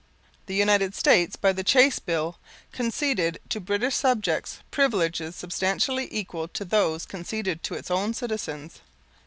The United States by the Chace Bill conceded to British subjects privileges substantially equal to those conceded to its own citizens.